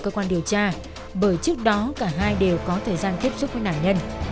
cơ quan điều tra bởi trước đó cả hai đều có thời gian tiếp xúc với nạn nhân